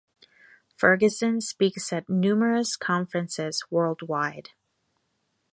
Ferguson speaks at numerous conferences worldwide.